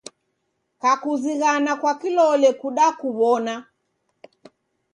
Kakuzighana kwa kilole kudakuw'ona